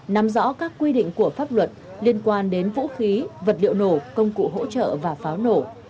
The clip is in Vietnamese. nắm rõ các quy định của pháp luật liên quan đến vũ khí vật liệu nổ công cụ hỗ trợ và pháo nổ